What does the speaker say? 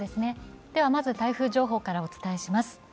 まず台風情報からお伝えします。